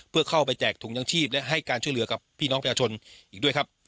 เพื่อเข้าไปแจกถุงยังชีพและให้การช่วยเหลือกับพี่น้องประชาชนอีกด้วยครับ